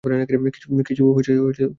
কিছু লাগে না!